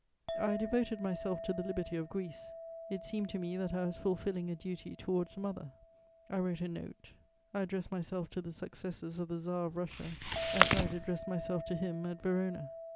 I devoted myself to the liberty of Greece: it seemed to me that I was fulfilling a duty towards a mother. I wrote a Note; I addressed myself to the successors of the Tsar of Russia, as I had addressed myself to him at Verona.